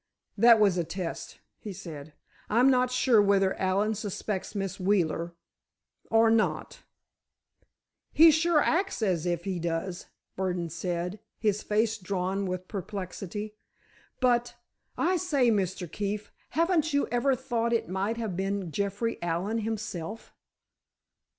"That was a test," he said; "I'm not sure whether Allen suspects Miss Wheeler—or not——" "He sure acts as if he does," Burdon said, his face drawn with perplexity. "But, I say, Mr. Keefe, haven't you ever thought it might have been Jeffrey Allen himself?"